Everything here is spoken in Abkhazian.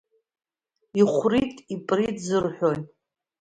Ихәрит-иприт зырҳәои?